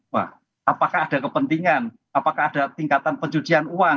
wah apakah ada kepentingan apakah ada tingkatan pencucian uang